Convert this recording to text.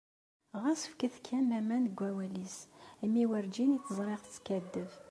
Ɣas fket kan laman deg awal-is imi werǧin i tt-ẓriɣ teskaddeb.